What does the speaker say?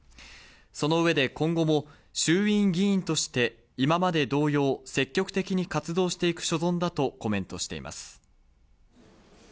その上で今後も衆院議員として今まで同様、積極的に活動していく所存だとコメントしています。